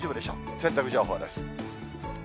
洗濯情報です。